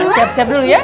siap siap dulu ya